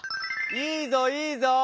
いいぞいいぞ！